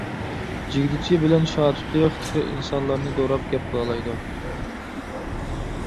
جىگدىچى بىلەن شاتۇتى تېخى ئىنسانلارنى دوراپ گەپ قىلالايدۇ.